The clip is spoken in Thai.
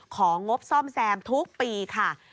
งบซ่อมแซมทุกปีค่ะ